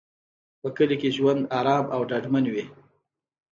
په کلي کې ژوند ارام او ډاډمن وي.